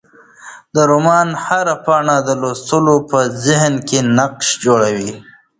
د رومان هره پاڼه د لوستونکي په ذهن کې نقش جوړوي.